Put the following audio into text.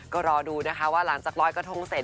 ก็รอดูนะคะว่าหลังจากลอยกระทงเสร็จ